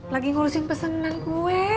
lagi ngurusin pesanan kue